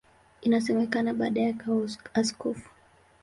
Inasemekana baadaye akawa askofu.